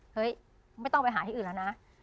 เฮ้ยไม่ต้องไปหาที่อื่นแล้วนะ